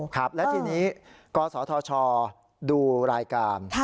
ครับและทีนี้กศธชดูรายการ